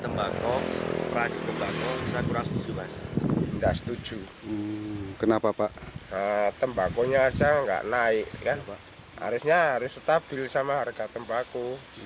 tembakau nya aja enggak naik harusnya harus stabil sama harga tembakau